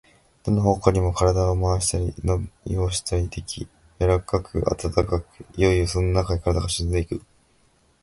どの方向にも身体を廻したり、のびをしたりでき、柔かく暖かく、いよいよそのなかへ身体が沈んでいく。